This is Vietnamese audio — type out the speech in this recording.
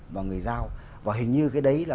và người dao và hình như cái đấy là